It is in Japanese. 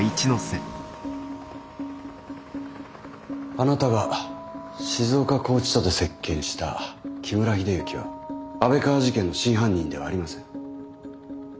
あなたが静岡拘置所で接見した木村秀幸は安倍川事件の真犯人ではありません。